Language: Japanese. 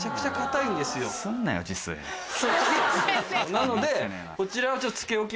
なのでこちらは。